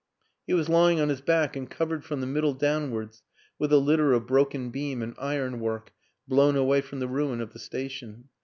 He was lying on his back and covered from the middle down wards with a litter of broken beam and ironwork blown away from the ruin of the station.